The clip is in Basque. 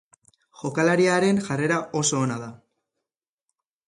Jokalariaren jarrera oso ona da.